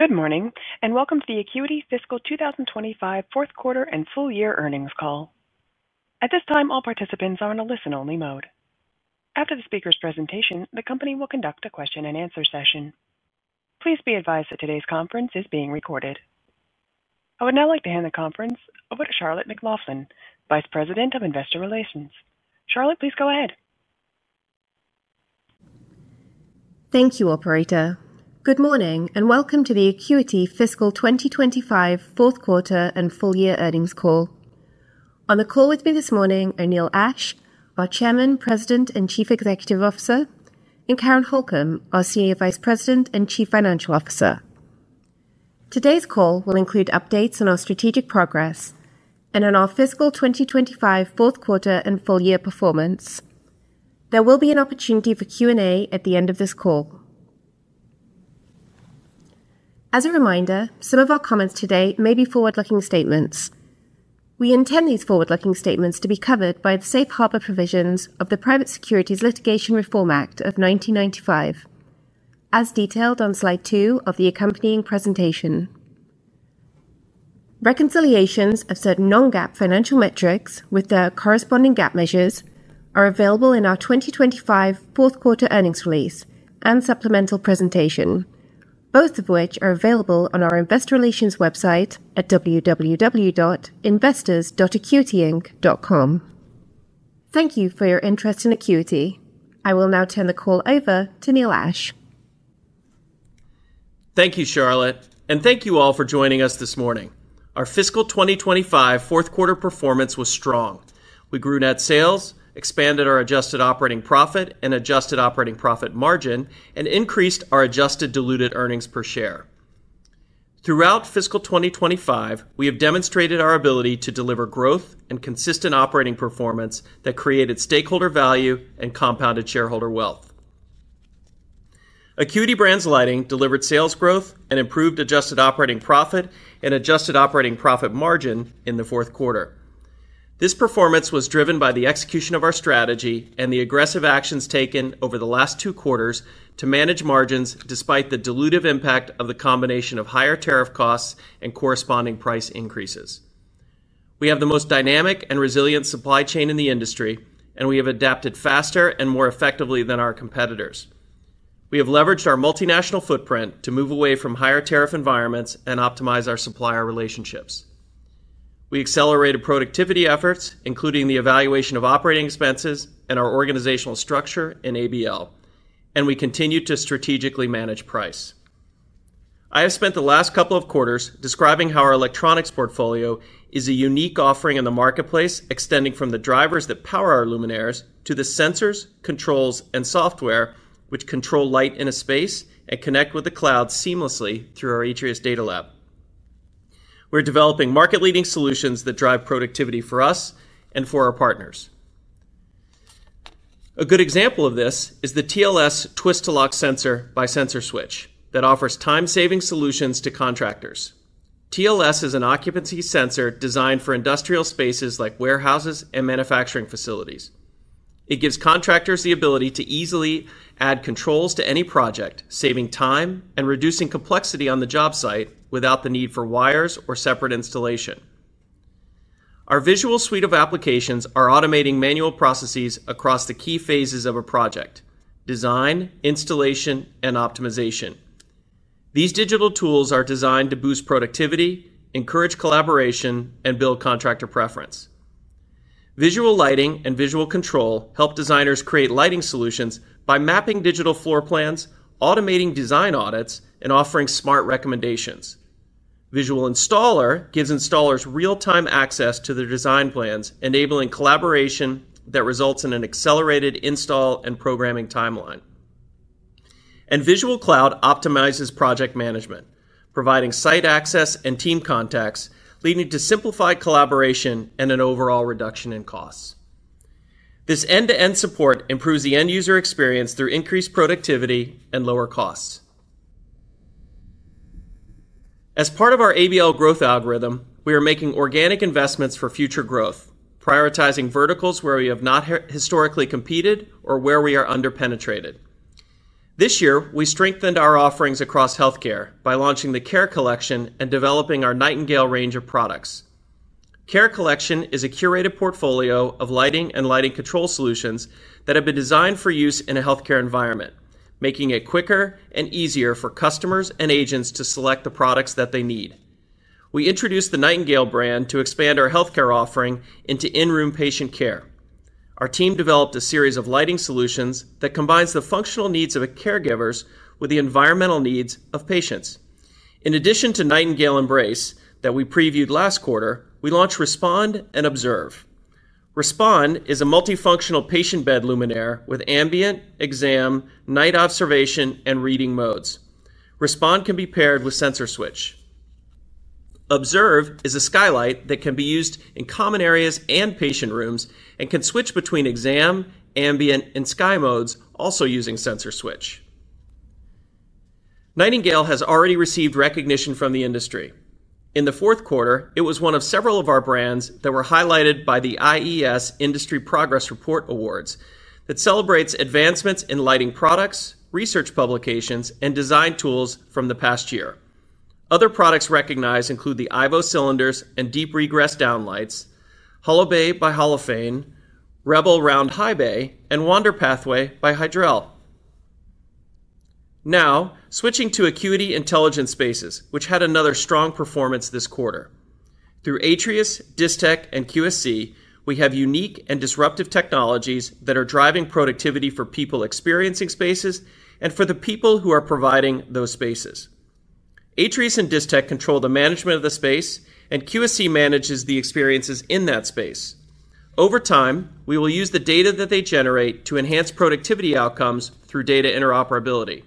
Good morning and welcome to the Acuity Fiscal 2025 Fourth Quarter and Full Year Earnings Call. At this time, all participants are in a listen-only mode. After the speaker's presentation, the company will conduct a question-and-answer session. Please be advised that today's conference is being recorded. I would now like to hand the conference over to Charlotte McLaughlin, Vice President of Investor Relations. Charlotte, please go ahead. Thank you, Operator. Good morning and welcome to the Acuity Fiscal 2025 Fourth Quarter and Full Year Earnings Call. On the call with me this morning are Neil Ashe, our Chairman, President and Chief Executive Officer, and Karen Holcom, our Senior Vice President and Chief Financial Officer. Today's call will include updates on our strategic progress and on our fiscal 2025 Fourth Quarter and Full Year performance. There will be an opportunity for Q&A at the end of this call. As a reminder, some of our comments today may be forward-looking statements. We intend these forward-looking statements to be covered by the safe harbor provisions of the Private Securities Litigation Reform Act of 1995, as detailed on slide 2 of the accompanying presentation. Reconciliations of certain non-GAAP financial metrics with their corresponding GAAP measures are available in our 2025 Fourth Quarter Earnings Release and Supplemental Presentation, both of which are available on our Investor Relations website at www.investors.acuityinc.com. Thank you for your interest in Acuity. I will now turn the call over to Neil Ashe. Thank you, Charlotte, and thank you all for joining us this morning. Our fiscal 2025 fourth quarter performance was strong. We grew net sales, expanded our adjusted operating profit and adjusted operating profit margin, and increased our adjusted diluted earnings per share. Throughout fiscal 2025, we have demonstrated our ability to deliver growth and consistent operating performance that created stakeholder value and compounded shareholder wealth. Acuity Brands Lighting delivered sales growth and improved adjusted operating profit and adjusted operating profit margin in the fourth quarter. This performance was driven by the execution of our strategy and the aggressive actions taken over the last two quarters to manage margins despite the dilutive impact of the combination of higher tariff costs and corresponding price increases. We have the most dynamic and resilient supply chain in the industry, and we have adapted faster and more effectively than our competitors. We have leveraged our multinational footprint to move away from higher tariff environments and optimize our supplier relationships. We accelerated productivity efforts, including the evaluation of operating expenses and our organizational structure in ABL, and we continue to strategically manage price. I have spent the last couple of quarters describing how our electronics portfolio is a unique offering in the marketplace, extending from the drivers that power our luminaires to the sensors, controls, and software which control light in a space and connect with the cloud seamlessly through our Atrius DataLab. We're developing market-leading solutions that drive productivity for us and for our partners. A good example of this is the TLS Twist-A-Lock Sensor by Sensor Switch that offers time-saving solutions to contractors. TLS is an occupancy sensor designed for industrial spaces like warehouses and manufacturing facilities. It gives contractors the ability to easily add controls to any project, saving time and reducing complexity on the job site without the need for wires or separate installation. Our visual suite of applications are automating manual processes across the key phases of a project: design, installation, and optimization. These digital tools are designed to boost productivity, encourage collaboration, and build contractor preference. Visual lighting and visual control help designers create lighting solutions by mapping digital floor plans, automating design audits, and offering smart recommendations. Visual Installer gives installers real-time access to their design plans, enabling collaboration that results in an accelerated install and programming timeline. Visual Cloud optimizes project management, providing site access and team contacts, leading to simplified collaboration and an overall reduction in costs. This end-to-end support improves the end-user experience through increased productivity and lower costs. As part of our ABL growth algorithm, we are making organic investments for future growth, prioritizing verticals where we have not historically competed or where we are underpenetrated. This year, we strengthened our offerings across healthcare by launching the Care Collection and developing our Nightingale range of products. Care Collection is a curated portfolio of lighting and lighting control solutions that have been designed for use in a healthcare environment, making it quicker and easier for customers and agents to select the products that they need. We introduced the Nightingale brand to expand our healthcare offering into in-room patient care. Our team developed a series of lighting solutions that combines the functional needs of caregivers with the environmental needs of patients. In addition to Nightingale Embrace, which we previewed last quarter, we launched Respond and Observe. Respond is a multifunctional patient bed luminaire with ambient, exam, night observation, and reading modes. Respond can be paired with Sensor Switch. Observe is a skylight that can be used in common areas and patient rooms and can switch between exam, ambient, and sky modes, also using Sensor Switch. Nightingale has already received recognition from the industry. In the fourth quarter, it was one of several of our brands that were highlighted by the IES Industry Progress Report Awards that celebrates advancements in lighting products, research publications, and design tools from the past year. Other products recognized include the IVO cylinders and deep regressed downlights, HOLOBAY by Holophane, RBL Round High Bay, and Wander Pathway by Hydrel. Now, switching to Acuity Intelligent Spaces, which had another strong performance this quarter. Through Atrius, Distech, and QSC, we have unique and disruptive technologies that are driving productivity for people experiencing spaces and for the people who are providing those spaces. Atrius and Distech control the management of the space, and QSC manages the experiences in that space. Over time, we will use the data that they generate to enhance productivity outcomes through data interoperability.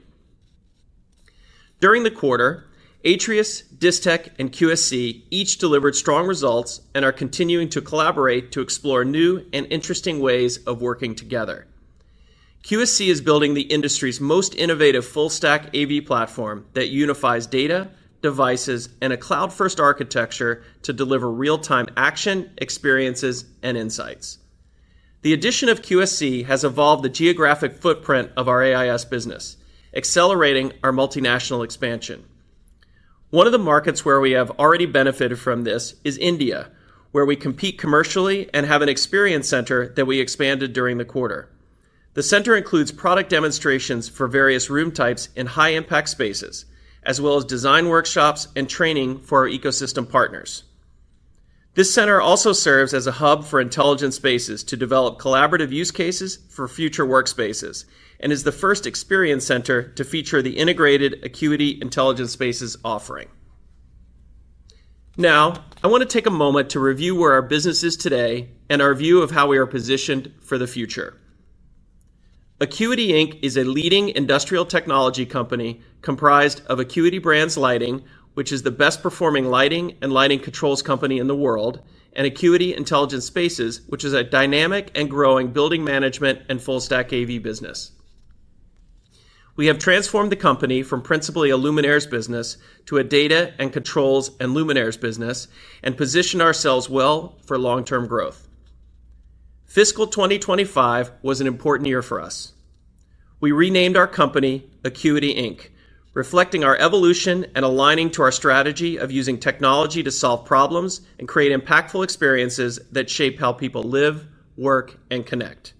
During the quarter, Atrius, Distech, and QSC each delivered strong results and are continuing to collaborate to explore new and interesting ways of working together. QSC is building the industry's most innovative full-stack AV platform that unifies data, devices, and a cloud-first architecture to deliver real-time action, experiences, and insights. The addition of QSC has evolved the geographic footprint of our AIS business, accelerating our multinational expansion. One of the markets where we have already benefited from this is India, where we compete commercially and have an experience center that we expanded during the quarter. The center includes product demonstrations for various room types in high-impact spaces, as well as design workshops and training for our ecosystem partners. This center also serves as a hub for intelligent spaces to develop collaborative use cases for future workspaces and is the first experience center to feature the integrated Acuity Intelligent Spaces offering. Now, I want to take a moment to review where our business is today and our view of how we are positioned for the future. Acuity Inc. is a leading industrial technology company comprised of Acuity Brands Lighting, which is the best-performing lighting and lighting controls company in the world, and Acuity Intelligent Spaces, which is a dynamic and growing building management and full-stack AV business. We have transformed the company from principally a luminaires business to a data and controls and luminaires business and positioned ourselves well for long-term growth. Fiscal 2025 was an important year for us. We renamed our company Acuity Inc., reflecting our evolution and aligning to our strategy of using technology to solve problems and create impactful experiences that shape how people live, work, and connect.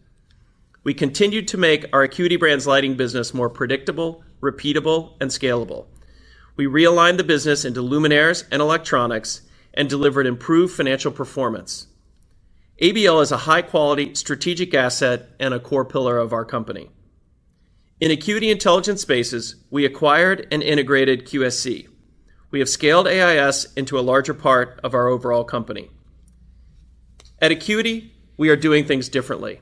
We continued to make our Acuity Brands Lighting business more predictable, repeatable, and scalable. We realigned the business into luminaires and electronics and delivered improved financial performance. ABL is a high-quality strategic asset and a core pillar of our company. In Acuity Intelligent Spaces, we acquired and integrated QSC. We have scaled AIS into a larger part of our overall company. At Acuity, we are doing things differently.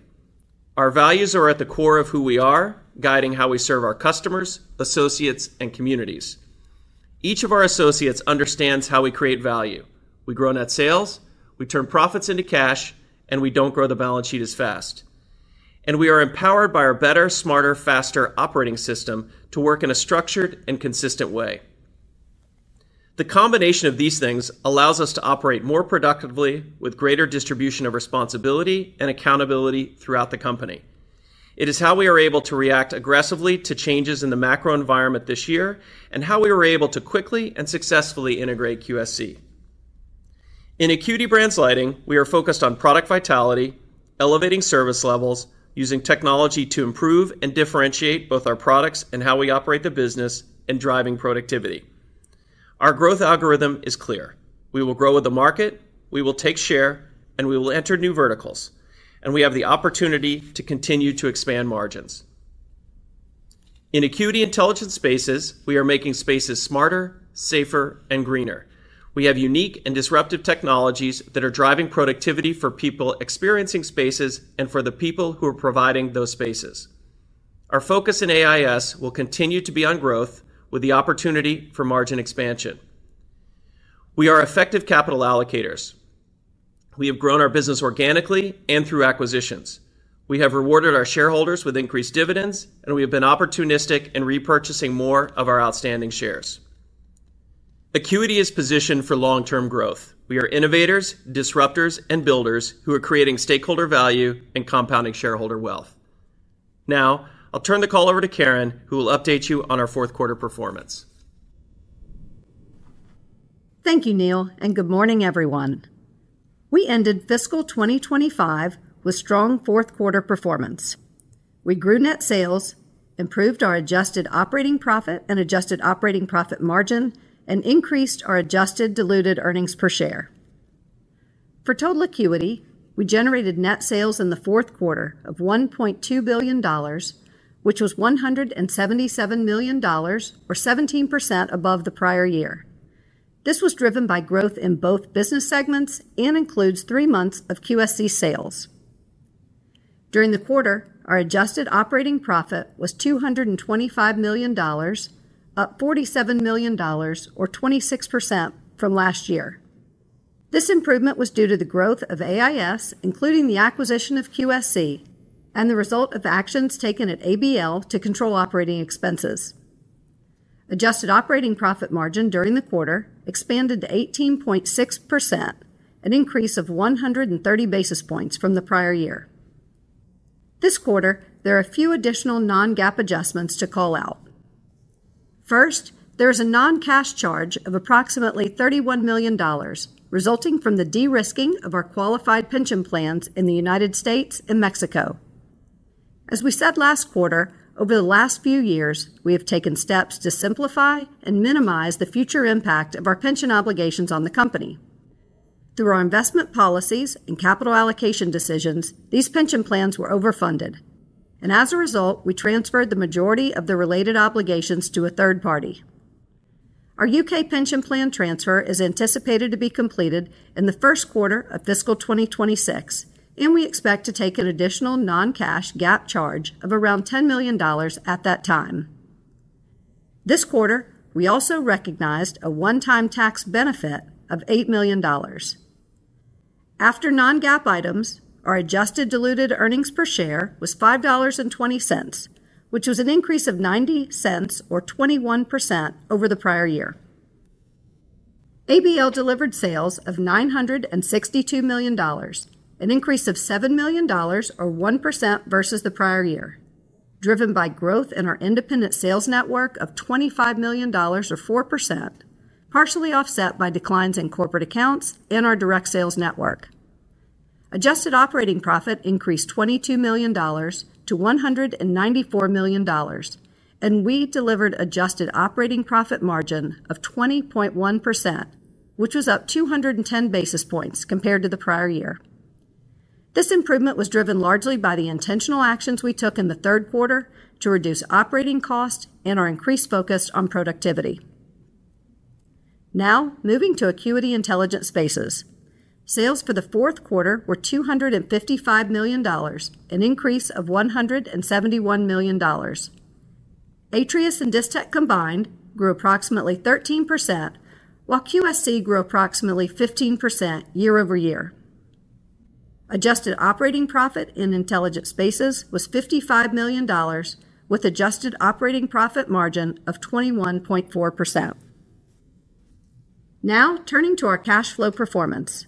Our values are at the core of who we are, guiding how we serve our customers, associates, and communities. Each of our associates understands how we create value. We grow net sales, we turn profits into cash, and we don't grow the balance sheet as fast. We are empowered by our better, smarter, faster operating system to work in a structured and consistent way. The combination of these things allows us to operate more productively with greater distribution of responsibility and accountability throughout the company. It is how we are able to react aggressively to changes in the macro environment this year and how we were able to quickly and successfully integrate QSC. In Acuity Brands Lighting, we are focused on product vitality, elevating service levels, using technology to improve and differentiate both our products and how we operate the business, and driving productivity. Our growth algorithm is clear. We will grow with the market, we will take share, and we will enter new verticals. We have the opportunity to continue to expand margins. In Acuity Intelligent Spaces, we are making spaces smarter, safer, and greener. We have unique and disruptive technologies that are driving productivity for people experiencing spaces and for the people who are providing those spaces. Our focus in AIS will continue to be on growth with the opportunity for margin expansion. We are effective capital allocators. We have grown our business organically and through acquisitions. We have rewarded our shareholders with increased dividends, and we have been opportunistic in repurchasing more of our outstanding shares. Acuity is positioned for long-term growth. We are innovators, disruptors, and builders who are creating stakeholder value and compounding shareholder wealth. Now, I'll turn the call over to Karen, who will update you on our fourth quarter performance. Thank you, Neil, and good morning, everyone. We ended fiscal 2025 with strong fourth quarter performance. We grew net sales, improved our adjusted operating profit and adjusted operating profit margin, and increased our adjusted diluted earnings per share. For total Acuity, we generated net sales in the fourth quarter of $1.2 billion, which was $177 million, or 17% above the prior year. This was driven by growth in both business segments and includes three months of QSC sales. During the quarter, our adjusted operating profit was $225 million, up $47 million, or 26% from last year. This improvement was due to the growth of AIS, including the acquisition of QSC, and the result of actions taken at ABL to control operating expenses. Adjusted operating profit margin during the quarter expanded to 18.6%, an increase of 130 basis points from the prior year. This quarter, there are a few additional non-GAAP adjustments to call out. First, there is a non-cash charge of approximately $31 million, resulting from the de-risking of our qualified pension plans in the U.S. and Mexico. As we said last quarter, over the last few years, we have taken steps to simplify and minimize the future impact of our pension obligations on the company. Through our investment policies and capital allocation decisions, these pension plans were overfunded. As a result, we transferred the majority of the related obligations to a third party. Our U.K. pension plan transfer is anticipated to be completed in the first quarter of fiscal 2026, and we expect to take an additional non-cash GAAP charge of around $10 million at that time. This quarter, we also recognized a one-time tax benefit of $8 million. After non-GAAP items, our adjusted diluted earnings per share was $5.20, which was an increase of $0.90, or 21% over the prior year. ABL delivered sales of $962 million, an increase of $7 million, or 1% versus the prior year, driven by growth in our independent sales network of $25 million, or 4%, partially offset by declines in corporate accounts and our direct sales network. Adjusted operating profit increased $22 million to $194 million, and we delivered an adjusted operating profit margin of 20.1%, which was up 210 basis points compared to the prior year. This improvement was driven largely by the intentional actions we took in the third quarter to reduce operating costs and our increased focus on productivity. Now, moving to Acuity Intelligent Spaces, sales for the fourth quarter were $255 million, an increase of $171 million. Atrius and Distech combined grew approximately 13%, while QSC grew approximately 15% year-over-year. Adjusted operating profit in Intelligent Spaces was $55 million, with an adjusted operating profit margin of 21.4%. Now, turning to our cash flow performance.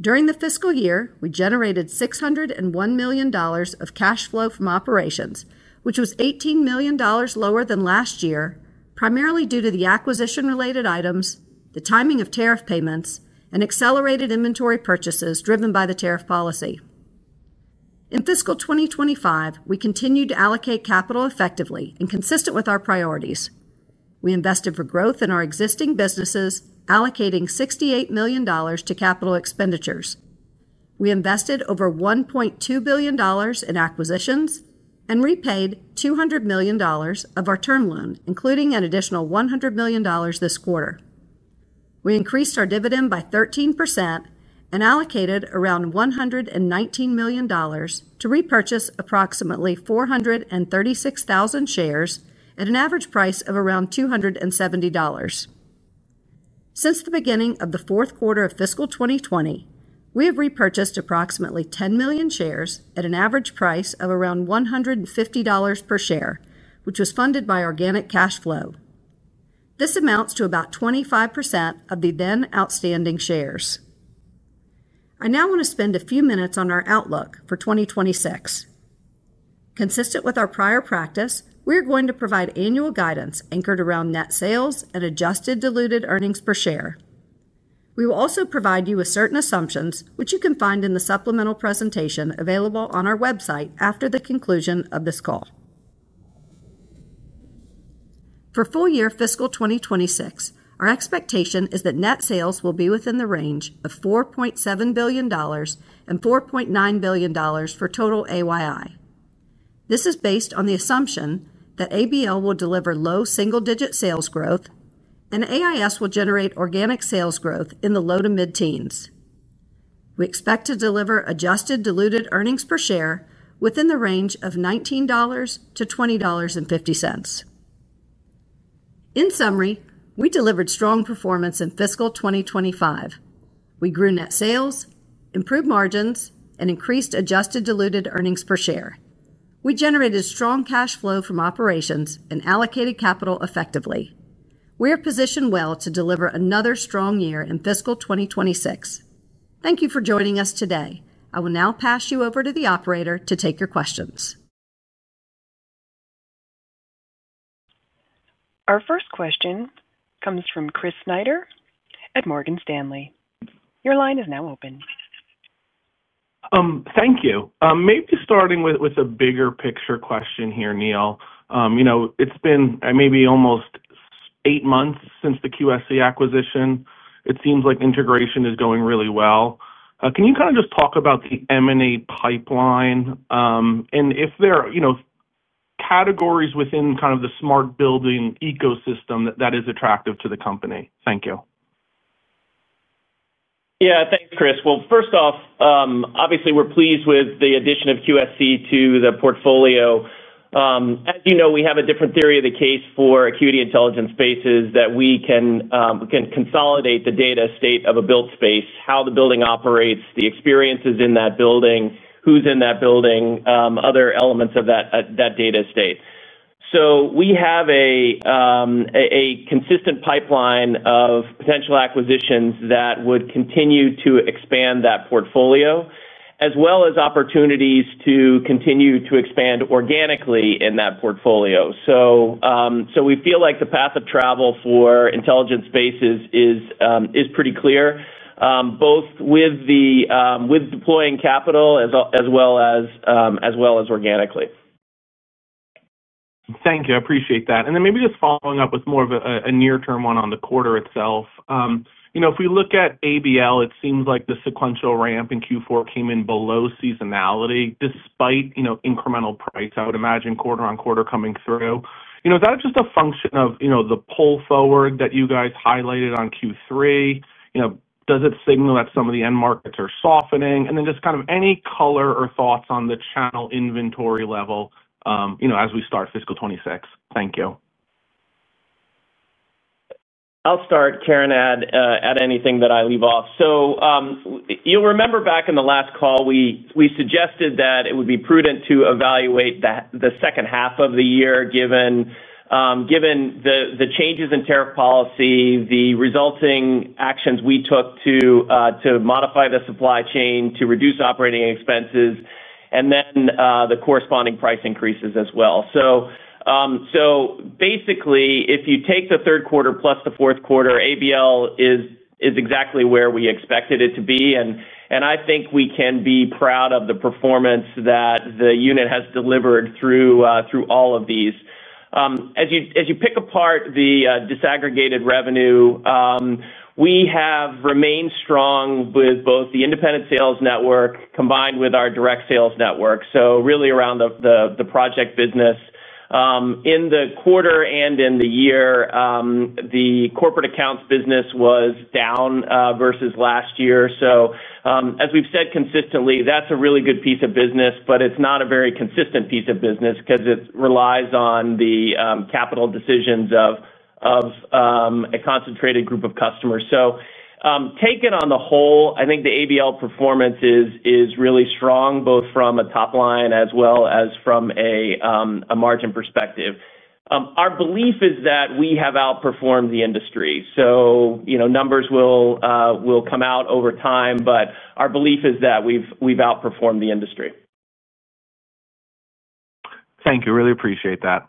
During the fiscal year, we generated $601 million of cash flow from operations, which was $18 million lower than last year, primarily due to the acquisition-related items, the timing of tariff payments, and accelerated inventory purchases driven by the tariff policy. In fiscal 2025, we continued to allocate capital effectively and consistent with our priorities. We invested for growth in our existing businesses, allocating $68 million to capital expenditures. We invested over $1.2 billion in acquisitions and repaid $200 million of our term loan, including an additional $100 million this quarter. We increased our dividend by 13% and allocated around $119 million to repurchase approximately 436,000 shares at an average price of around $270. Since the beginning of the fourth quarter of fiscal 2020, we have repurchased approximately 10 million shares at an average price of around $150 per share, which was funded by organic cash flow. This amounts to about 25% of the then outstanding shares. I now want to spend a few minutes on our outlook for 2026. Consistent with our prior practice, we are going to provide annual guidance anchored around net sales and adjusted diluted EPS. We will also provide you with certain assumptions, which you can find in the supplemental presentation available on our website after the conclusion of this call. For full-year fiscal 2026, our expectation is that net sales will be within the range of $4.7 billion-$4.9 billion for total AYI. This is based on the assumption that ABL will deliver low single-digit sales growth and AIS will generate organic sales growth in the low to mid-teens. We expect to deliver adjusted diluted EPS within the range of $19-$20.50. In summary, we delivered strong performance in fiscal 2025. We grew net sales, improved margins, and increased adjusted diluted EPS. We generated strong cash flow from operations and allocated capital effectively. We are positioned well to deliver another strong year in fiscal 2026. Thank you for joining us today. I will now pass you over to the operator to take your questions. Our first question comes from Chris Snyder at Morgan Stanley. Your line is now open. Thank you. Maybe starting with a bigger picture question here, Neil. You know, it's been maybe almost eight months since the QSC acquisition. It seems like integration is going really well. Can you just talk about the M&A pipeline and if there are categories within the smart building ecosystem that are attractive to the company? Thank you. Thank you, Chris. Obviously, we're pleased with the addition of QSC to the portfolio. As you know, we have a different theory of the case for Acuity Intelligent Spaces that we can consolidate the data state of a built space, how the building operates, the experiences in that building, who's in that building, other elements of that data state. We have a consistent pipeline of potential acquisitions that would continue to expand that portfolio, as well as opportunities to continue to expand organically in that portfolio. We feel like the path of travel for Intelligent Spaces is pretty clear, both with deploying capital as well as organically. Thank you. I appreciate that. Maybe just following up with more of a near-term one on the quarter itself. If we look at ABL, it seems like the sequential ramp in Q4 came in below seasonality despite incremental price, I would imagine, quarter on quarter coming through. Is that just a function of the pull forward that you guys highlighted on Q3? Does it signal that some of the end markets are softening? Any color or thoughts on the channel inventory level as we start fiscal 2026? Thank you. I'll start, Karen, add anything that I leave off. You'll remember back in the last call, we suggested that it would be prudent to evaluate the second half of the year given the changes in tariff policy, the resulting actions we took to modify the supply chain, to reduce operating expenses, and the corresponding price increases as well. Basically, if you take the third quarter plus the fourth quarter, ABL is exactly where we expected it to be. I think we can be proud of the performance that the unit has delivered through all of these. As you pick apart the disaggregated revenue, we have remained strong with both the independent sales network combined with our direct sales network, really around the project business. In the quarter and in the year, the corporate accounts business was down versus last year. As we've said consistently, that's a really good piece of business, but it's not a very consistent piece of business because it relies on the capital decisions of a concentrated group of customers. Taken on the whole, I think the ABL performance is really strong, both from a top line as well as from a margin perspective. Our belief is that we have outperformed the industry. Numbers will come out over time, but our belief is that we've outperformed the industry. Thank you. I really appreciate that.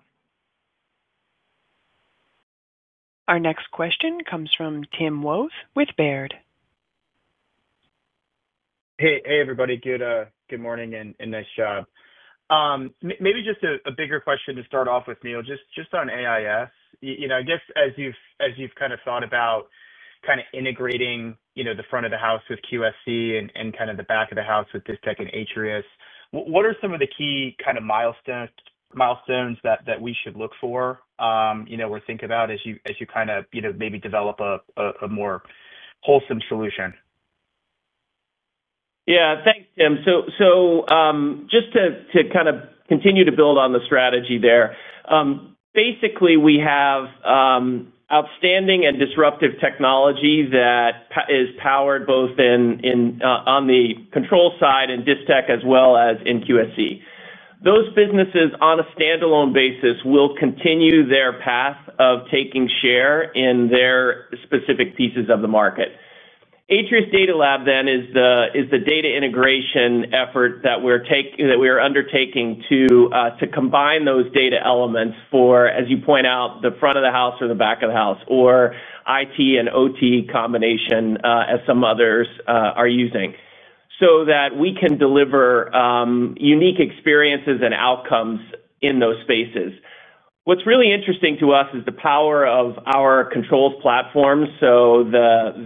Our next question comes from Tim Wojs with Baird. Hey, hey everybody. Good morning and nice job. Maybe just a bigger question to start off with, Neil, just on AIS. As you've kind of thought about integrating the front of the house with QSC and the back of the house with Distech and Atrius, what are some of the key milestones that we should look for or think about as you maybe develop a more wholesome solution? Yeah, thanks, Tim. Just to kind of continue to build on the strategy there, basically, we have outstanding and disruptive technology that is powered both on the control side in Distech as well as in QSC. Those businesses on a standalone basis will continue their path of taking share in their specific pieces of the market. Atrius Data Lab then is the data integration effort that we're undertaking to combine those data elements for, as you point out, the front of the house or the back of the house, or IT and OT combination, as some others are using, so that we can deliver unique experiences and outcomes in those spaces. What's really interesting to us is the power of our controlled platforms. The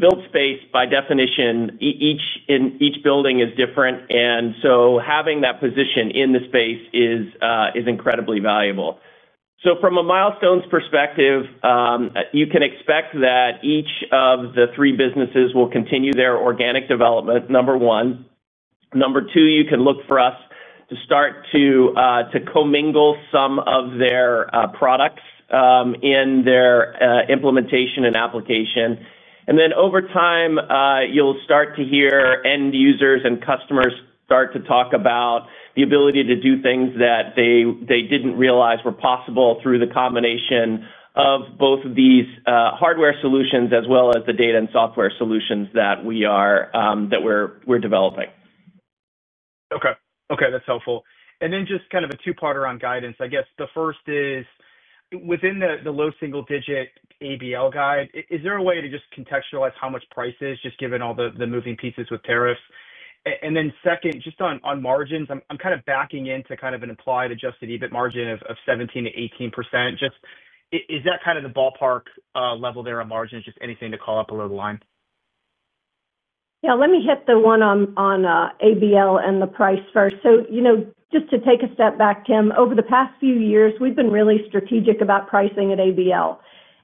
built space, by definition, in each building is different, and having that position in the space is incredibly valuable. From a milestones perspective, you can expect that each of the three businesses will continue their organic development, number one. Number two, you can look for us to start to commingle some of their products in their implementation and application. Over time, you'll start to hear end users and customers start to talk about the ability to do things that they didn't realize were possible through the combination of both of these hardware solutions as well as the data and software solutions that we are developing. Okay, that's helpful. Just kind of a two-parter on guidance. I guess the first is within the low single-digit ABL guide, is there a way to just contextualize how much price is, just given all the moving pieces with tariffs? Second, just on margins, I'm kind of backing into kind of an implied adjusted EBIT margin of 17%-18%. Is that kind of the ballpark level there on margins? Anything to call up below the line? Yeah, let me hit the one on ABL and the price first. You know, just to take a step back, Tim, over the past few years, we've been really strategic about pricing at ABL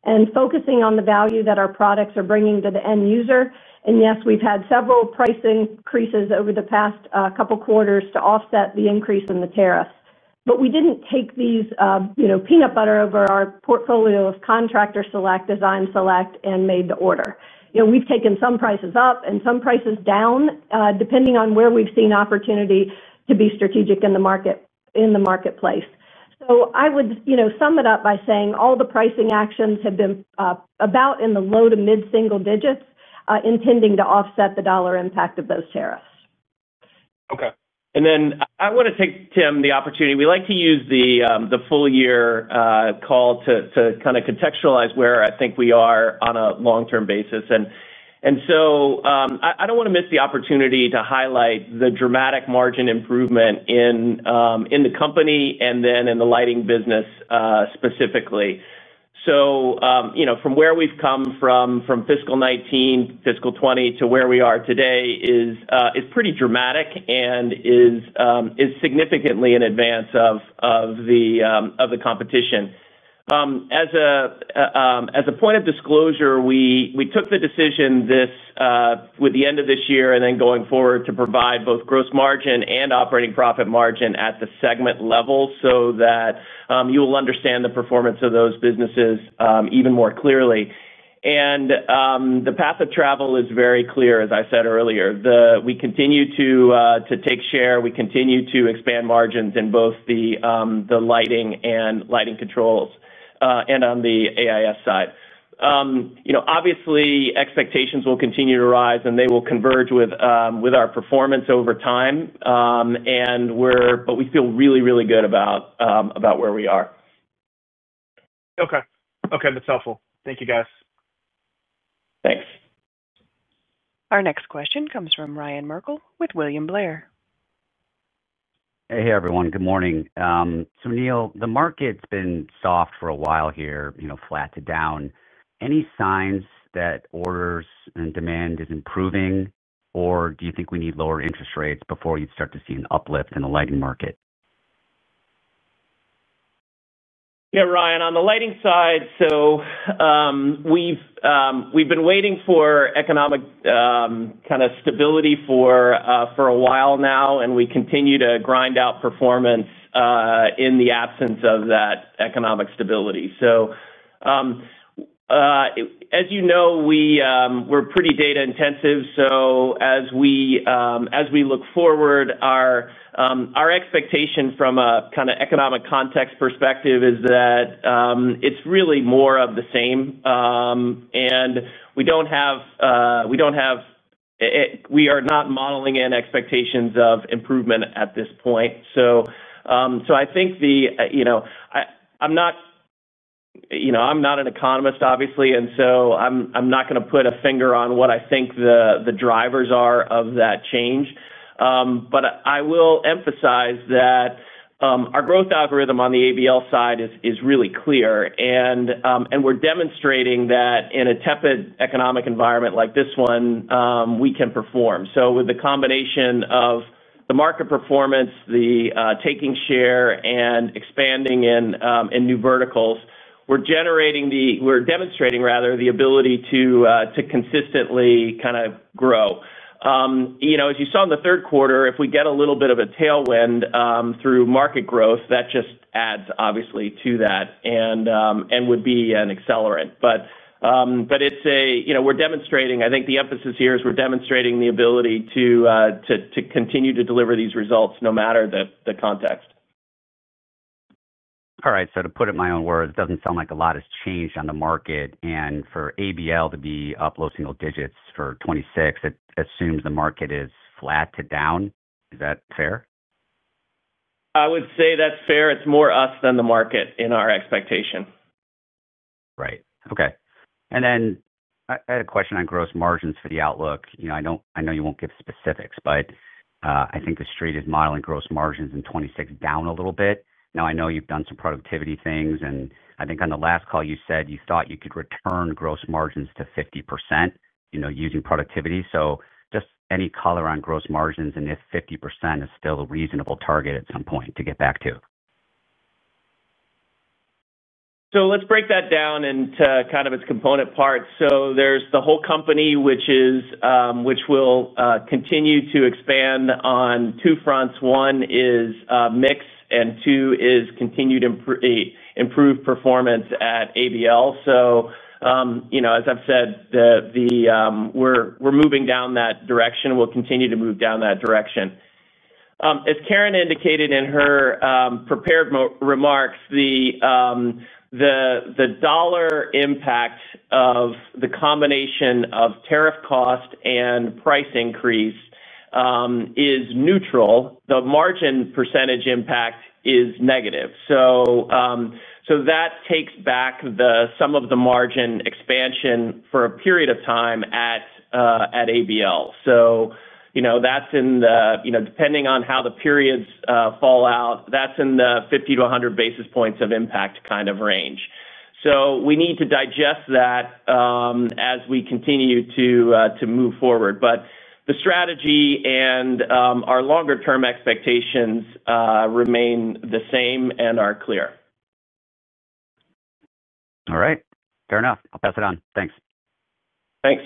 and focusing on the value that our products are bringing to the end user. Yes, we've had several price increases over the past couple of quarters to offset the increase in the tariff. We didn't take these, you know, peanut butter over our portfolio of Contractor Select, Design Select, and Made to Order. We've taken some prices up and some prices down, depending on where we've seen opportunity to be strategic in the marketplace. I would sum it up by saying all the pricing actions have been about in the low to mid-single digits, intending to offset the dollar impact of those tariffs. Okay. I want to take, Tim, the opportunity. We like to use the full year call to kind of contextualize where I think we are on a long-term basis. I don't want to miss the opportunity to highlight the dramatic margin improvement in the company and then in the lighting business specifically. From where we've come from, from fiscal 2019, fiscal 2020 to where we are today is pretty dramatic and is significantly in advance of the competition. As a point of disclosure, we took the decision with the end of this year and then going forward to provide both gross margin and operating profit margin at the segment level so that you will understand the performance of those businesses even more clearly. The path of travel is very clear, as I said earlier. We continue to take share. We continue to expand margins in both the lighting and lighting controls and on the AIS side. Obviously, expectations will continue to rise and they will converge with our performance over time. We feel really, really good about where we are. Okay. Okay, that's helpful. Thank you, guys. Thanks. Our next question comes from Ryan Merkel with William Blair. Hey, hey everyone. Good morning. Neil, the market's been soft for a while here, you know, flat to down. Any signs that orders and demand is improving, or do you think we need lower interest rates before you'd start to see an uplift in the lighting market? Yeah, Ryan, on the lighting side, we've been waiting for economic kind of stability for a while now, and we continue to grind out performance in the absence of that economic stability. As you know, we're pretty data intensive. As we look forward, our expectation from a kind of economic context perspective is that it's really more of the same, and we are not modeling in expectations of improvement at this point. I think, you know, I'm not an economist, obviously, and I'm not going to put a finger on what I think the drivers are of that change. I will emphasize that our growth algorithm on the ABL side is really clear, and we're demonstrating that in a tepid economic environment like this one, we can perform. With the combination of the market performance, the taking share, and expanding in new verticals, we're generating the, we're demonstrating, rather, the ability to consistently kind of grow. As you saw in the third quarter, if we get a little bit of a tailwind through market growth, that just adds, obviously, to that and would be an accelerant. We're demonstrating, I think the emphasis here is we're demonstrating the ability to continue to deliver these results no matter the context. All right, to put it in my own words, it doesn't sound like a lot has changed on the market, and for ABL to be up low single digits for 2026, it assumes the market is flat to down. Is that fair? I would say that's fair. It's more us than the market in our expectation. Right. Okay. I had a question on gross margins for the outlook. I know you won't give specifics, but I think the [street] is modeling gross margins in 2026 down a little bit. I know you've done some productivity things, and I think on the last call you said you thought you could return gross margins to 50% using productivity. Just any color on gross margins and if 50% is still a reasonable target at some point to get back to. Let's break that down into its component parts. There's the whole company, which will continue to expand on two fronts. One is mix and two is continued improved performance at ABL. As I've said, we're moving down that direction. We'll continue to move down that direction. As Karen indicated in her prepared remarks, the dollar impact of the combination of tariff cost and price increase is neutral. The margin percent impact is negative. That takes back some of the margin expansion for a period of time at ABL. That's in the, depending on how the periods fall out, that's in the 50-100 basis points of impact range. We need to digest that as we continue to move forward. The strategy and our longer-term expectations remain the same and are clear. All right. Fair enough. I'll pass it on. Thanks. Thanks.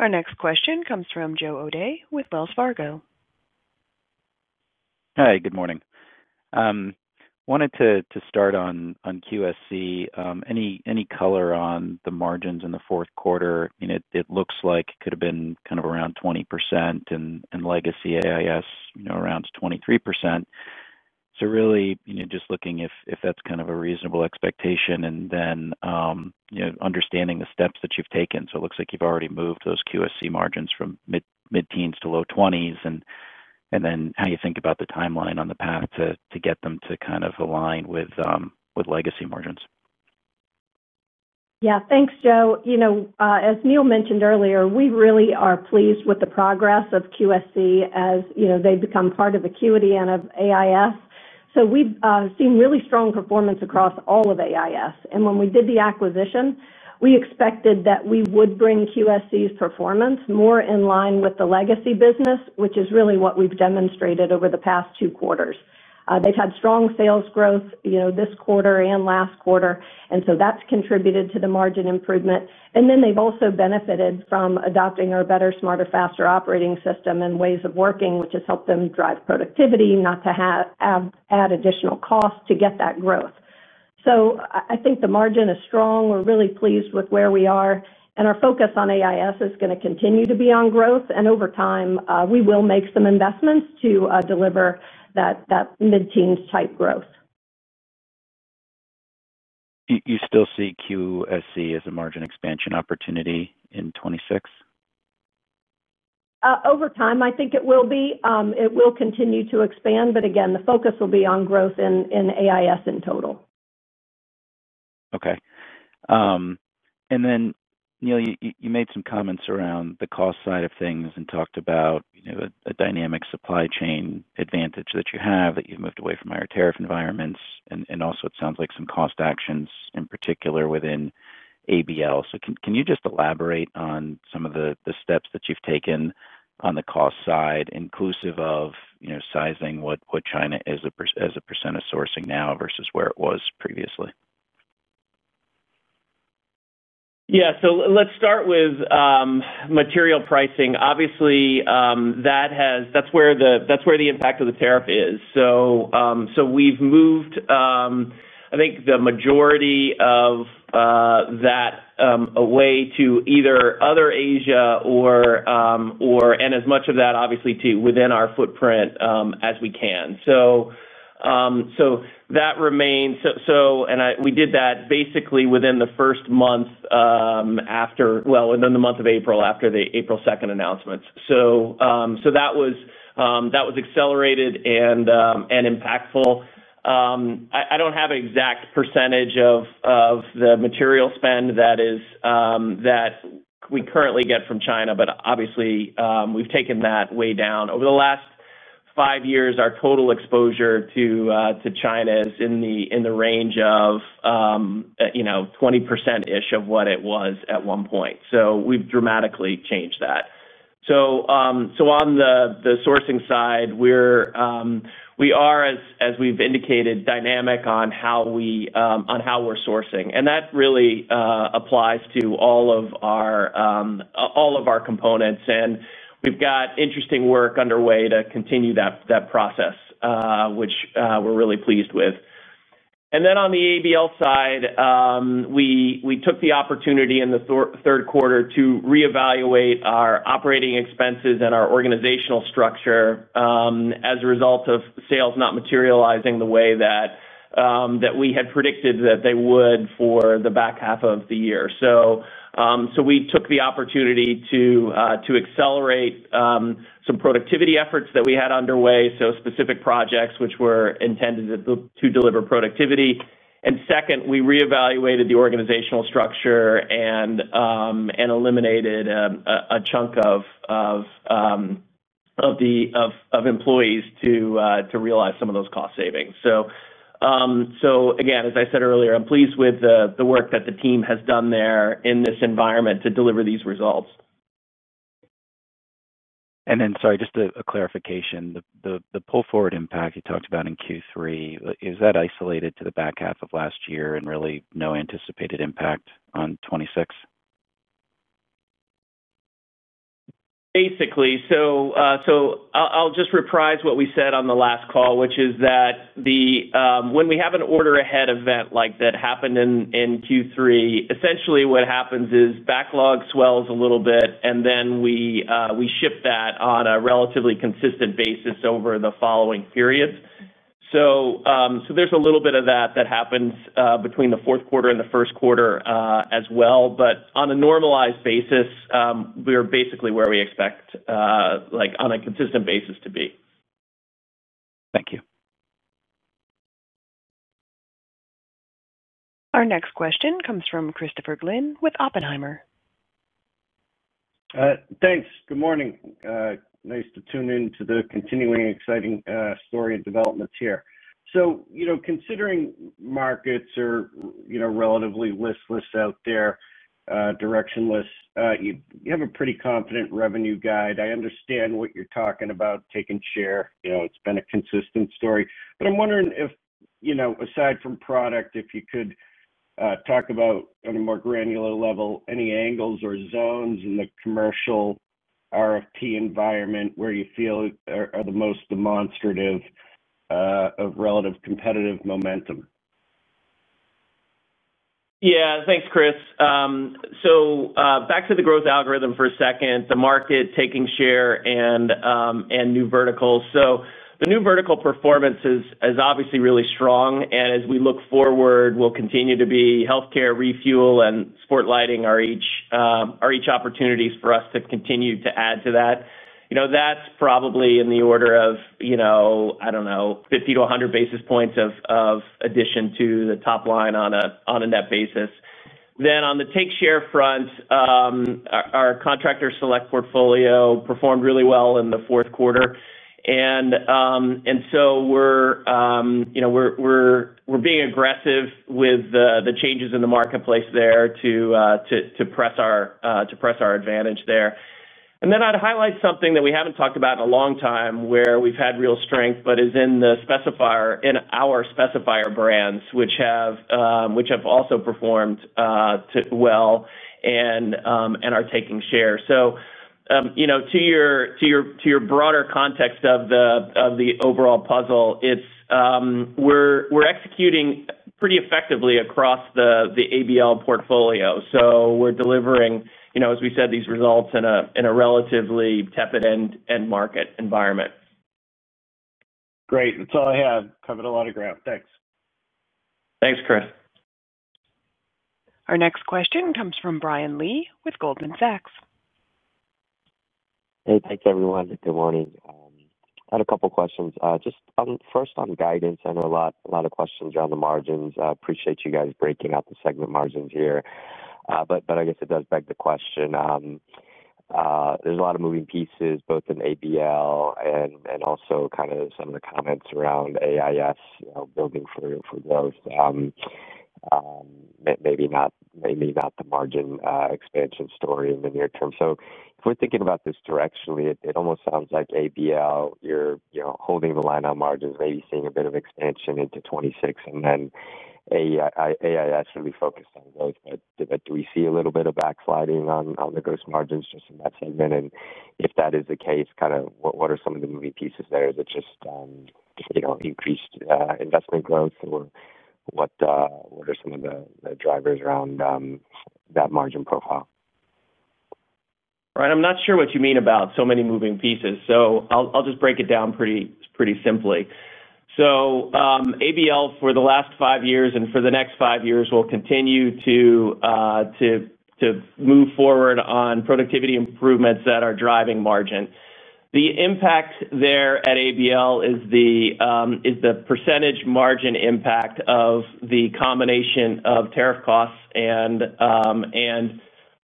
Our next question comes from Joe O'Dea with Wells Fargo. Hey, good morning. Wanted to start on QSC. Any color on the margins in the fourth quarter? It looks like it could have been kind of around 20% and legacy AIS, you know, around 23%. Really, just looking if that's kind of a reasonable expectation and then, you know, understanding the steps that you've taken. It looks like you've already moved those QSC margins from mid-teens to low 20s. How do you think about the timeline on the path to get them to kind of align with legacy margins? Yeah, thanks, Joe. As Neil mentioned earlier, we really are pleased with the progress of QSC as they've become part of Acuity and of AIS. We've seen really strong performance across all of AIS. When we did the acquisition, we expected that we would bring QSC's performance more in line with the legacy business, which is really what we've demonstrated over the past two quarters. They've had strong sales growth this quarter and last quarter, and that's contributed to the margin improvement. They've also benefited from adopting our better, smarter, faster operating system and ways of working, which has helped them drive productivity, not to add additional costs to get that growth. I think the margin is strong. We're really pleased with where we are. Our focus on AIS is going to continue to be on growth, and over time, we will make some investments to deliver that mid-teens type growth. You still see QSC as a margin expansion opportunity in 2026? Over time, I think it will be. It will continue to expand. Again, the focus will be on growth in AIS in total. Okay. Neil, you made some comments around the cost side of things and talked about a dynamic supply chain advantage that you have, that you've moved away from higher tariff environments. It also sounds like some cost actions in particular within ABL. Can you just elaborate on some of the steps that you've taken on the cost side, inclusive of sizing what China is as a percent of sourcing now versus where it was previously? Yeah, let's start with material pricing. Obviously, that's where the impact of the tariff is. We've moved the majority of that away to either other Asia and as much of that, obviously, to within our footprint as we can. That remains, and we did that basically within the first month after the April 2nd announcements. That was accelerated and impactful. I don't have an exact percentage of the material spend that we currently get from China, but obviously, we've taken that way down. Over the last five years, our total exposure to China is in the range of 20% of what it was at one point. We've dramatically changed that. On the sourcing side, we are, as we've indicated, dynamic on how we're sourcing. That really applies to all of our components. We've got interesting work underway to continue that process, which we're really pleased with. On the ABL side, we took the opportunity in the third quarter to reevaluate our operating expenses and our organizational structure as a result of sales not materializing the way that we had predicted that they would for the back half of the year. We took the opportunity to accelerate some productivity efforts that we had underway, specific projects which were intended to deliver productivity. Second, we reevaluated the organizational structure and eliminated a chunk of the employees to realize some of those cost savings. Again, as I said earlier, I'm pleased with the work that the team has done there in this environment to deliver these results. Sorry, just a clarification. The pull forward impact you talked about in Q3, is that isolated to the back half of last year and really no anticipated impact on 2026? I'll just reprise what we said on the last call, which is that when we have an order ahead event like that happened in Q3, essentially what happens is backlog swells a little bit, and then we shift that on a relatively consistent basis over the following periods. There's a little bit of that that happens between the fourth quarter and the first quarter as well. On a normalized basis, we're basically where we expect, like on a consistent basis to be. Thank you. Our next question comes from Christopher Glynn with Oppenheimer. Thanks. Good morning. Nice to tune in to the continuing exciting story and developments here. Considering markets are, you know, relatively listless out there, directionless, you have a pretty confident revenue guide. I understand what you're talking about, taking share. It's been a consistent story. I'm wondering if, aside from product, you could talk about on a more granular level, any angles or zones in the commercial RFP environment where you feel are the most demonstrative of relative competitive momentum. Yeah, thanks, Chris. Back to the growth algorithm for a second, the market taking share and new verticals. The new vertical performance is obviously really strong. As we look forward, we'll continue to be healthcare, refuel, and sport lighting are each opportunities for us to continue to add to that. That's probably in the order of, I don't know, 50-100 basis points of addition to the top line on a net basis. On the take share front, our Contractor Select portfolio performed really well in the fourth quarter. We're being aggressive with the changes in the marketplace there to press our advantage there. I'd highlight something that we haven't talked about in a long time where we've had real strength, but is in the specifier, in our specifier brands, which have also performed well and are taking share. To your broader context of the overall puzzle, we're executing pretty effectively across the ABL portfolio. We're delivering, as we said, these results in a relatively tepid end market environment. Great. That's all I have. Covered a lot of ground. Thanks. Thanks, Chris. Our next question comes from Brian Lee with Goldman Sachs. Hey, thanks everyone. Good morning. I had a couple of questions. Just first on guidance. I know a lot of questions on the margins. I appreciate you guys breaking out the segment margins here. I guess it does beg the question. There's a lot of moving pieces, both in ABL and also kind of some of the comments around AIS, you know, building for growth. Maybe not the margin expansion story in the near term. If we're thinking about this directionally, it almost sounds like ABL, you're, you know, holding the line on margins, maybe seeing a bit of expansion into 2026, and then AIS will be focused on growth. Do we see a little bit of backsliding on the gross margins just in that segment? If that is the case, what are some of the moving pieces there that just, you know, increased investment growth? What are some of the drivers around that margin profile? Right. I'm not sure what you mean about so many moving pieces. I'll just break it down pretty simply. ABL for the last five years and for the next five years will continue to move forward on productivity improvements that are driving margin. The impact there at ABL is the percentage margin impact of the combination of tariff costs and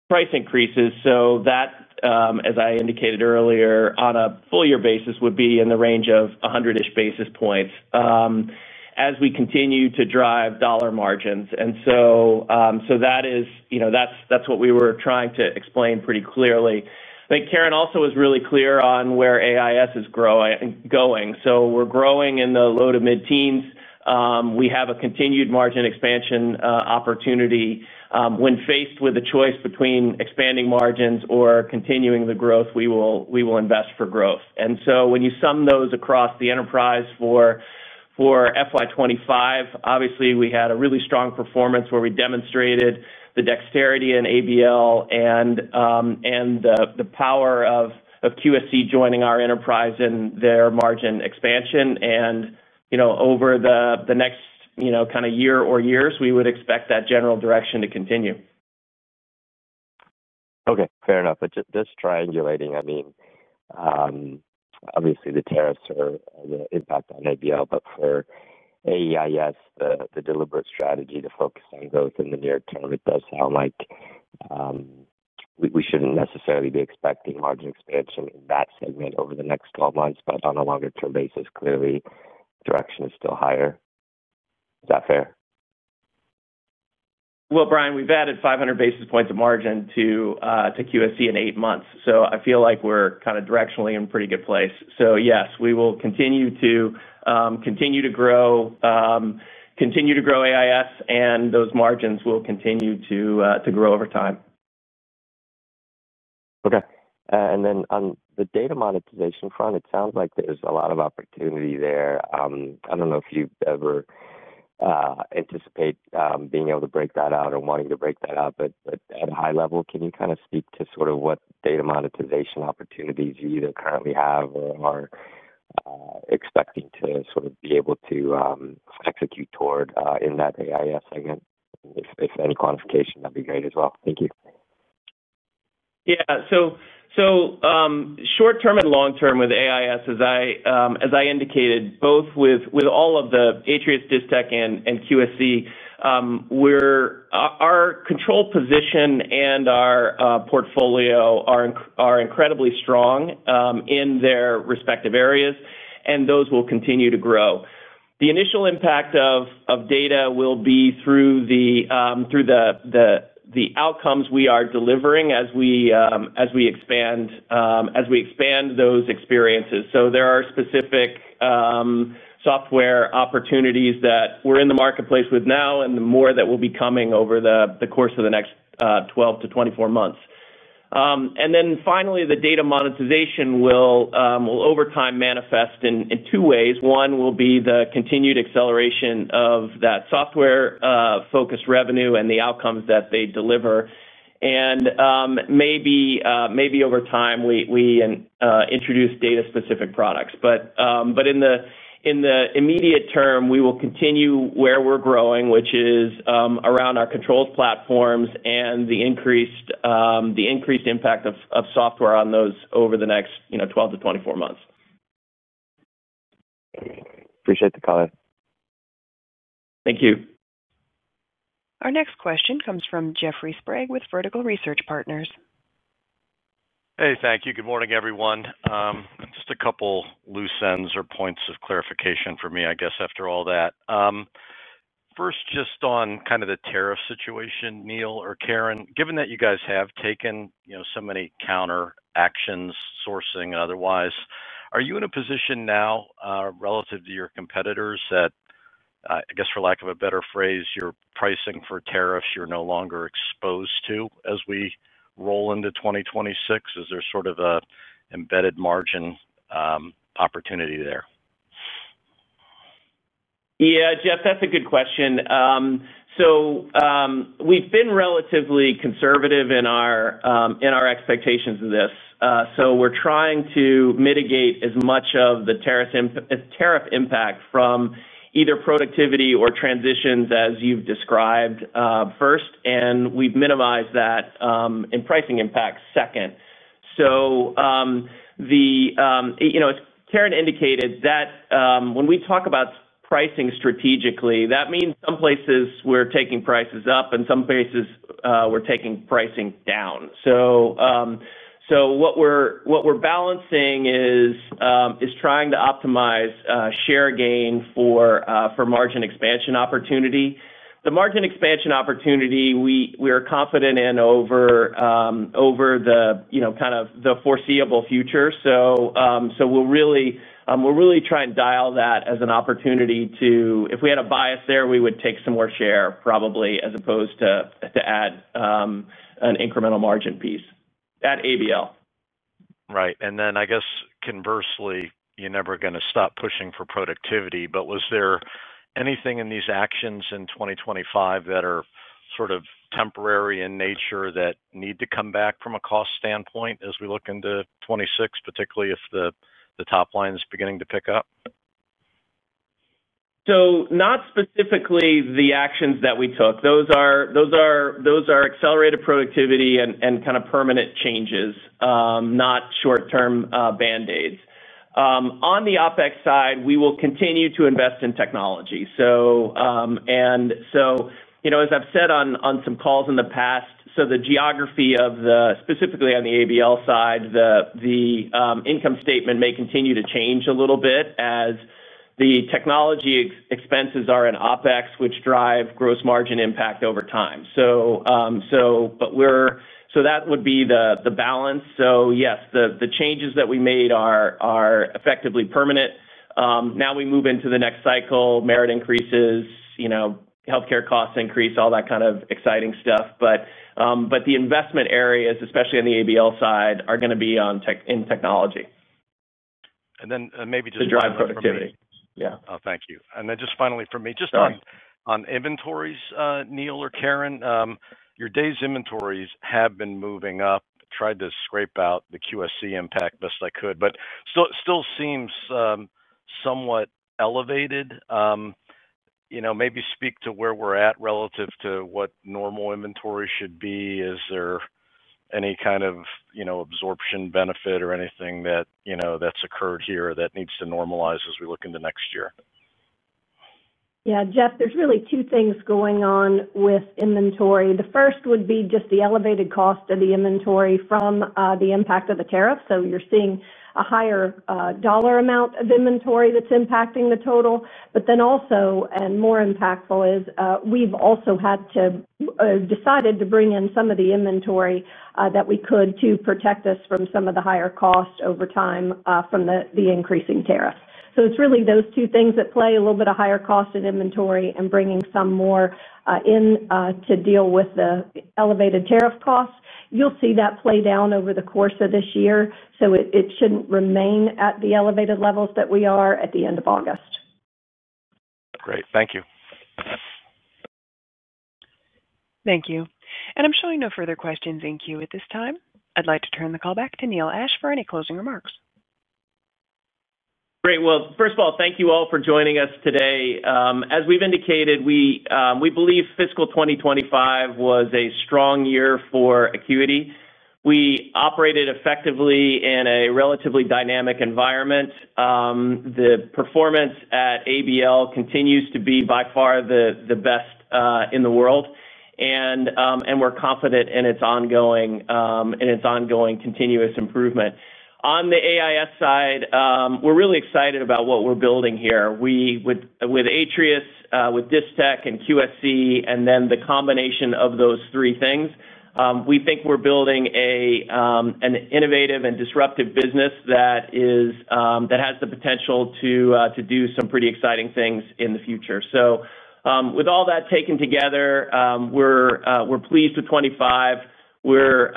price increases. That, as I indicated earlier, on a full-year basis would be in the range of 100-ish basis points as we continue to drive dollar margins. That is what we were trying to explain pretty clearly. I think Karen also was really clear on where AIS is going. We're growing in the low to mid-teens. We have a continued margin expansion opportunity. When faced with a choice between expanding margins or continuing the growth, we will invest for growth. When you sum those across the enterprise for FY 2025, obviously we had a really strong performance where we demonstrated the dexterity in ABL and the power of QSC joining our enterprise in their margin expansion. Over the next year or years, we would expect that general direction to continue. Okay, fair enough. Just triangulating, I mean, obviously the tariffs are the impact on ABL, but for AIS, the deliberate strategy to focus on growth in the near term, it does sound like we shouldn't necessarily be expecting margin expansion in that segment over the next 12 months. On a longer-term basis, clearly, direction is still higher. Is that fair? Brian, we've added 500 basis points of margin to QSC in eight months. I feel like we're kind of directionally in a pretty good place. Yes, we will continue to grow, continue to grow AIS, and those margins will continue to grow over time. Okay. On the data monetization front, it sounds like there's a lot of opportunity there. I don't know if you ever anticipate being able to break that out or wanting to break that out, but at a high level, can you kind of speak to sort of what data monetization opportunities you either currently have or are expecting to sort of be able to execute toward in that AIS segment? If any quantification, that'd be great as well. Thank you. Yeah, short term and long term with AIS, as I indicated, both with all of the Atrius, Distech, and QSC, our control position and our portfolio are incredibly strong in their respective areas, and those will continue to grow. The initial impact of data will be through the outcomes we are delivering as we expand those experiences. There are specific software opportunities that we're in the marketplace with now and more that will be coming over the course of the next 12-24 months. Finally, the data monetization will over time manifest in two ways. One will be the continued acceleration of that software-focused revenue and the outcomes that they deliver. Maybe over time, we introduce data-specific products. In the immediate term, we will continue where we're growing, which is around our controlled platforms and the increased impact of software on those over the next 12-24 months. Appreciate the comment. Thank you. Our next question comes from Jeffrey Sprague with Vertical Research Partners. Hey, thank you. Good morning, everyone. Just a couple loose ends or points of clarification for me, I guess, after all that. First, just on kind of the tariff situation, Neil or Karen, given that you guys have taken so many counter actions, sourcing and otherwise, are you in a position now relative to your competitors that, I guess, for lack of a better phrase, your pricing for tariffs you're no longer exposed to as we roll into 2026? Is there sort of an embedded margin opportunity there? Yeah, Jeff, that's a good question. We've been relatively conservative in our expectations of this. We're trying to mitigate as much of the tariff impact from either productivity or transitions as you've described first, and we've minimized that in pricing impacts second. As Karen indicated, when we talk about pricing strategically, that means some places we're taking prices up and some places we're taking pricing down. What we're balancing is trying to optimize share gain for margin expansion opportunity. The margin expansion opportunity we are confident in over the foreseeable future. We're really trying to dial that as an opportunity to, if we had a bias there, we would take some more share probably as opposed to add an incremental margin piece at ABL. Right. I guess conversely, you're never going to stop pushing for productivity, but was there anything in these actions in 2025 that are sort of temporary in nature that need to come back from a cost standpoint as we look into 2026, particularly if the top line is beginning to pick up? Not specifically the actions that we took. Those are accelerated productivity and kind of permanent changes, not short-term Band-Aids. On the OpEx side, we will continue to invest in technology. As I've said on some calls in the past, the geography of the, specifically on the ABL side, the income statement may continue to change a little bit as the technology expenses are in OpEx, which drive gross margin impact over time. That would be the balance. Yes, the changes that we made are effectively permanent. Now we move into the next cycle, merit increases, healthcare costs increase, all that kind of exciting stuff. The investment areas, especially on the ABL side, are going to be in technology. Maybe just... To drive productivity. Thank you. Just finally for me, just on inventories, Neil or Karen, your day's inventories have been moving up. Tried to scrape out the QSC impact best I could, but still seems somewhat elevated. Maybe speak to where we're at relative to what normal inventory should be. Is there any kind of absorption benefit or anything that has occurred here that needs to normalize as we look into next year? Yeah, Jeff, there's really two things going on with inventory. The first would be just the elevated cost of the inventory from the impact of the tariffs. You are seeing a higher dollar amount of inventory that's impacting the total. More impactful is we've also had to decide to bring in some of the inventory that we could to protect us from some of the higher costs over time from the increasing tariffs. It's really those two things at play: a little bit of higher cost in inventory and bringing some more in to deal with the elevated tariff costs. You'll see that play down over the course of this year. It shouldn't remain at the elevated levels that we are at the end of August. Great, thank you. Thank you. I'm showing no further questions in queue at this time. I'd like to turn the call back to Neil Ashe for any closing remarks. Great. First of all, thank you all for joining us today. As we've indicated, we believe fiscal 2025 was a strong year for Acuity. We operated effectively in a relatively dynamic environment. The performance at ABL continues to be by far the best in the world, and we're confident in its ongoing continuous improvement. On the AIS side, we're really excited about what we're building here with Atrius, with Distech, and QSC. The combination of those three things, we think we're building an innovative and disruptive business that has the potential to do some pretty exciting things in the future. With all that taken together, we're pleased with 2025. We're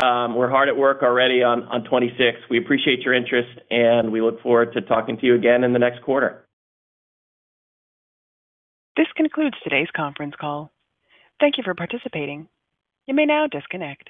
hard at work already on 2026. We appreciate your interest, and we look forward to talking to you again in the next quarter. This concludes today's conference call. Thank you for participating. You may now disconnect.